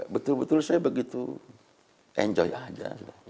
betul betul saya begitu enjoy aja